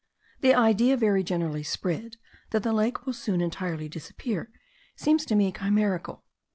The idea very generally spread, that the lake will soon entirely disappear, seems to me chimerical.